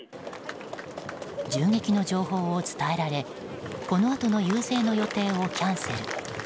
銃撃の情報を伝えられこの後の遊説の予定をキャンセル。